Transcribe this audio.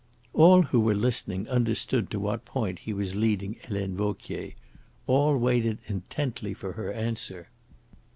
All who were listening understood to what point he was leading Helene Vauquier. All waited intently for her answer.